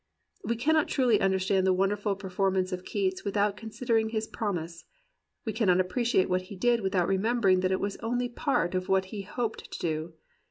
We cannot truly understand the wonderful performance of Keats without considering his prom ise; we cannot appreciate what he did without re membering that it was only part of what he hoped to do.